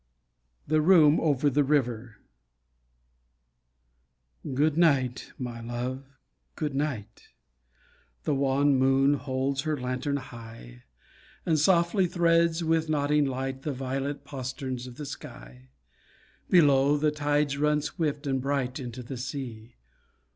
THE ROOM OVER THE RIVER Good night, my love, good night; The wan moon holds her lantern high, And softly threads with nodding light The violet posterns of the sky, Below, the tides run swift and bright Into the sea.